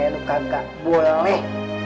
lo kagak boleh